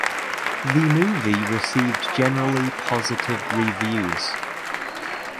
The movie received generally positive reviews.